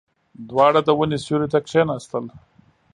دواړه د ونې سيوري ته کېناستل.